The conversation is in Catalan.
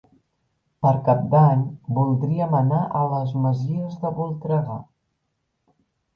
Per Cap d'Any voldríem anar a les Masies de Voltregà.